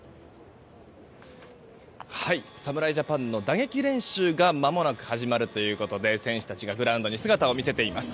侍ジャパンの打撃練習がまもなく始まるということで選手たちがグラウンドに姿を見せています。